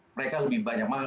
mereka lebih banyak